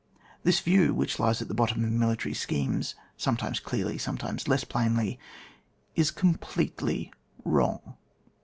This view which lies at the bottom of mihtaiy schemes, sometimes clearly, sometimes less plainly, is completely wrong.